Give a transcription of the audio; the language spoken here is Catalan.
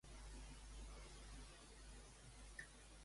Hitler ordenà immediatament aturar l'atac aeri de la Luftwaffe.